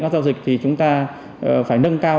các giao dịch thì chúng ta phải nâng cao